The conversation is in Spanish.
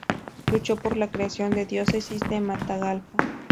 Lucho por la creación de la Diócesis de Matagalpa.